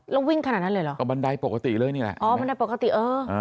แล้ววิ่งขนาดนั้นเลยเหรอเอาบันไดปกติเลยนี่แหละอ๋อบันไดปกติเออ